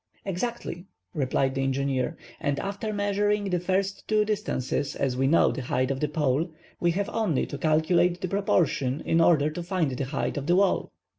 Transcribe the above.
"Exactly," replied the engineer, "and after measuring the first two distances, as we know the height of the pole, we have only to calculate the proportion in order to find the height of the wall."